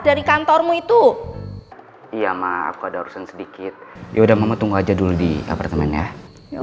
dari kantormu itu iya maaf aku ada urusan sedikit yaudah mama tunggu aja dulu di apartemen ya